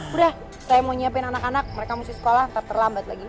udah saya mau nyiapin anak anak mereka mesti sekolah terlambat lagi